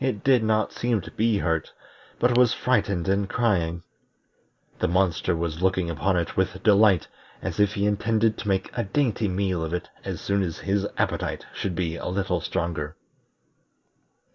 It did not seem to be hurt, but was frightened and crying. The monster was looking upon it with delight, as if he intended to make a dainty meal of it as soon as his appetite should be a little stronger.